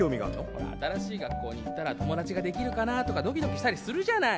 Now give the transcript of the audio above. ほら新しい学校に行ったら友達ができるかなとかドキドキしたりするじゃない。